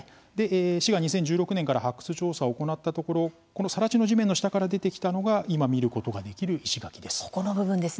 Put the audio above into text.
市が２０１６年から発掘調査を行ったところこのさら地の地面の下から出てきたのが今、見ることができる石垣です。